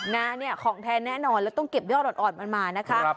นะเนี่ยของแทนแน่นอนแล้วต้องเก็บยอดอ่อนมันมานะคะ